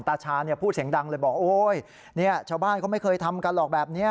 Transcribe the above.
ตาชาพูดเสียงดังเลยบอกโอ๊ยชาวบ้านเขาไม่เคยทำกันหรอกแบบนี้